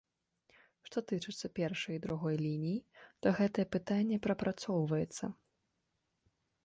Што тычыцца першай і другой ліній, то гэтае пытанне прапрацоўваецца.